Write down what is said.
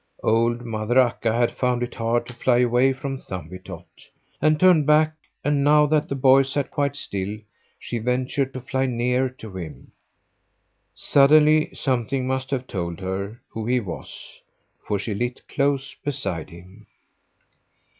Old mother Akka had found it hard to fly away from Thumbietot, and turned back, and now that the boy sat quite still she ventured to fly nearer to him. Suddenly something must have told her who he was, for she lit close beside him.